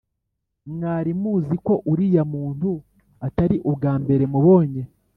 mwari muziko uriya muntu atari ubwambere mubonye